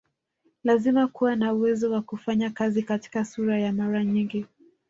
Lazima kuwa na uwezo wa kufanya kazi katika sura ya mara nyingi